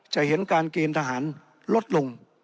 จะเห็นการเกณฑ์ทหารลดลง